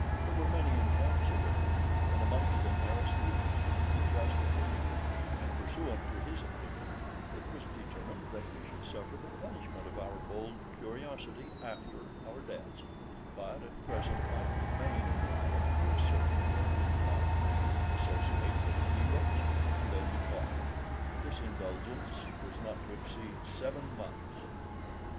There were many in council with him, and amongst them Aristides, the just Athenian, and pursuant to his opinion it was determined that we should suffer the punishment of our bold curiosity after our deaths, but at present might remain in the island for a certain limited time, associate with the heroes, and then depart; this indulgence was not to exceed seven months.